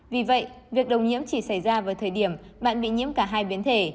vì vậy việc đồng nhiễm chỉ xảy ra vào thời điểm bạn bị nhiễm cả hai biến thể